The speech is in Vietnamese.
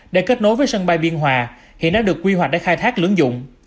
để kết nối với sân bay biên hòa khiến nó được quy hoạch để khai thác lưỡng dụng